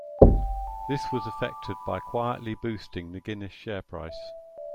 This was effected by quietly boosting the Guinness share price.